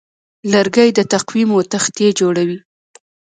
لرګی د تقویمو تختې جوړوي.